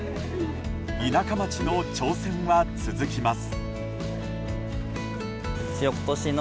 田舎町の挑戦は続きます。